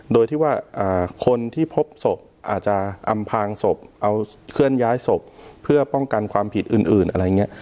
โดยที่ว่าคนที่พบศพอาจจะอำพางศพเอาเคลื่อนย้ายศพเพื่อป้องกันความผิดอื่นอะไรอย่างนี้